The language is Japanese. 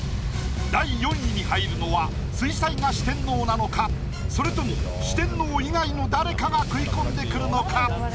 第４位に入るのは水彩画四天王なのかそれとも四天王以外の誰かが食い込んでくるのか？